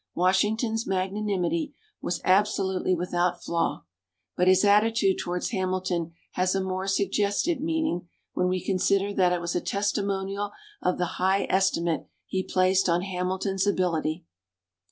Washington's magnanimity was absolutely without flaw, but his attitude towards Hamilton has a more suggestive meaning when we consider that it was a testimonial of the high estimate he placed on Hamilton's ability.